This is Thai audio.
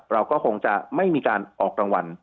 เราก็คงจะไม่มีการออกรางวัล